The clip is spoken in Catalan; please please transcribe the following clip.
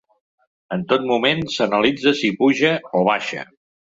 En tot moment s’analitza si puja o baixa.